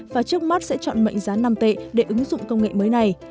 và trước mắt sẽ chọn mệnh giá năm tệ để ứng dụng công nghệ mới này